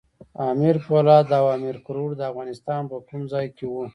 امیر پولاد او امیر کروړ د افغانستان په کوم ځای کې وو؟